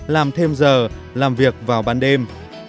làm thêm giờ làm việc vào ban đêm